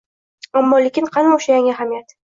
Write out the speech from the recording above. Ammo-lekin qani o‘sha yangi jamiyat?